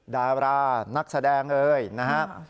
ดารานักแสดงเอ่ยนะครับ